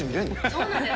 そうなんです。